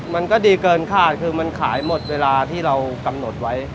มันก็ดีเกินคาดคือมันขายหมดเวลาที่เรากำหนดไว้